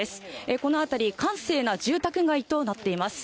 この辺り、閑静な住宅街となっています。